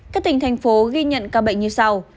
các tỉnh thành phố ghi nhận ca bệnh như sau